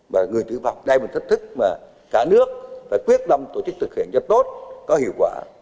và người tử vọng đây là một thách thức mà cả nước phải quyết tâm tổ chức thực hiện cho tốt có hiệu quả